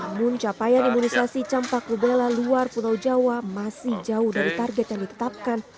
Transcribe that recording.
namun capaian imunisasi campak rubella luar pulau jawa masih jauh dari target yang ditetapkan